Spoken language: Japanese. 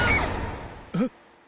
えっ。